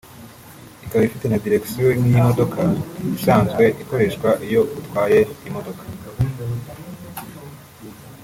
ikaba ifite na diregisiyo nk’iyimodoka isanzwe ikoreshwa iyo utwaye imodoka